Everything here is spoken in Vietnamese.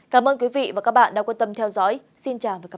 cảm ơn các bạn đã theo dõi